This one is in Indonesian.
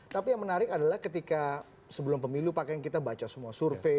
tapi yang menarik adalah ketika sebelum pemilu pakaian kita baca semua survei